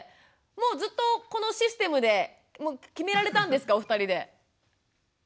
もうずっとこのシステムで決められたんですかお二人で？